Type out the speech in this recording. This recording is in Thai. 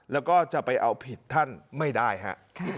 แล้วก็จะไปเอาผิดท่านไม่ได้ฮะ